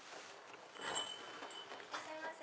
いらっしゃいませ。